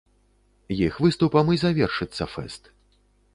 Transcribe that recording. Іх выступам і завершыцца фэст.